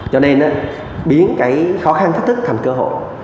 cho nên nó biến cái khó khăn thách thức thành cơ hội